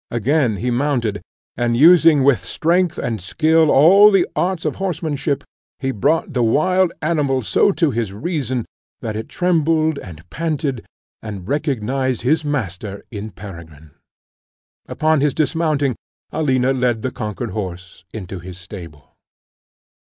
Again he mounted, and using with strength and skill all the arts of horsemanship, he brought the wild animal so to his reason, that it trembled and panted, and recognized his master in Peregrine. Upon his dismounting, Alina led the conquered horse into his stable.